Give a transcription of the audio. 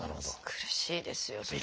苦しいですよそれ。